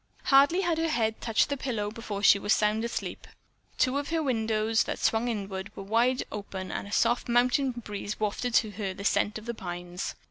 Hardly had her head touched the pillow before she was sound asleep. Two of her windows, that swung inward, were wide open and a soft mountain breeze wafted to her the scent of the pines.